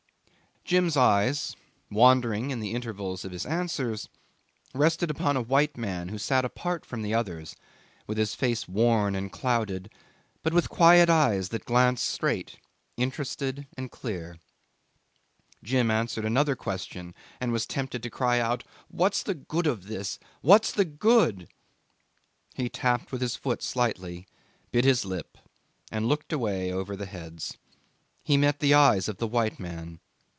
Jim's eyes, wandering in the intervals of his answers, rested upon a white man who sat apart from the others, with his face worn and clouded, but with quiet eyes that glanced straight, interested and clear. Jim answered another question and was tempted to cry out, 'What's the good of this! what's the good!' He tapped with his foot slightly, bit his lip, and looked away over the heads. He met the eyes of the white man.